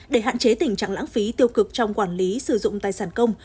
để hạn chế tình trạng lãng phí tiêu cực trong quản lý sử dụng tài sản công